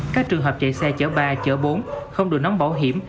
các trường hợp chạy xe chở ba chở bốn không được nóng bảo hiểm